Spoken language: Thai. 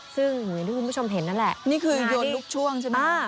ซึ่งเหมือนที่คุณผู้ชมเห็นนั่นแหละนี่คือโยนลูกช่วงใช่ไหม